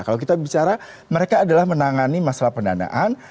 kalau kita bicara mereka adalah menangani masalah pendanaan